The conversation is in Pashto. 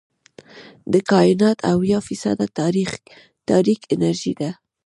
د کائنات اويا فیصده تاریک انرژي ده.